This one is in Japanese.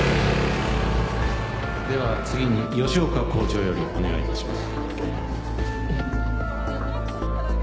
では次に吉岡校長よりお願いいたします。